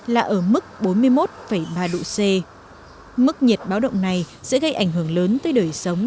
là ở mức bốn mươi một ba độ c mức nhiệt báo động này sẽ gây ảnh hưởng lớn tới đời sống